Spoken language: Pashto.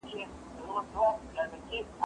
زه پرون کالي مينځلي!!